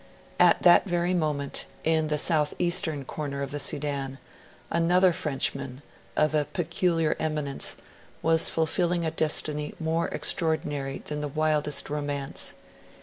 At that very moment, in the south eastern corner of the Sudan, another Frenchman, of a peculiar eminence, was fulfilling a destiny more extraordinary than the wildest romance.